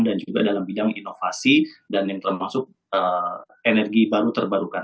dan juga dalam bidang inovasi dan yang termasuk energi baru terbarukan